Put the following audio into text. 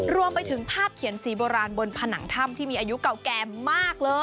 รวมไปถึงภาพเขียนสีโบราณบนผนังถ้ำที่มีอายุเก่าแก่มากเลย